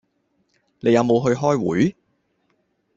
你有冇去開會